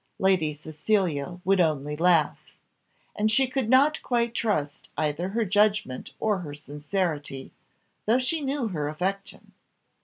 Lady Cecilia would only laugh; and she could not quite trust either her judgment or her sincerity, though she knew her affection.